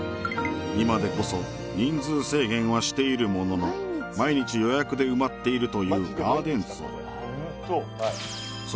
今でこそ人数制限はしているものの毎日予約で埋まっているというガーデン荘